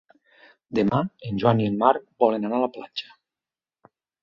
Demà en Joan i en Marc volen anar a la platja.